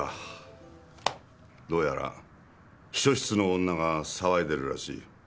どうやら秘書室の女が騒いでるらしい。